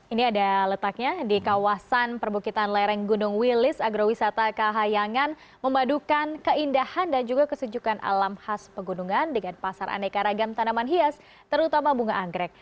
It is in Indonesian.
ini ada letaknya di kawasan perbukitan lereng gunung wilis agrowisata kahayangan memadukan keindahan dan juga kesejukan alam khas pegunungan dengan pasar aneka ragam tanaman hias terutama bunga anggrek